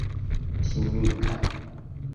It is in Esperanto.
timiga